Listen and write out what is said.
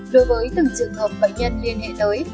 đối với từng trường hợp bệnh nhân liên hệ tới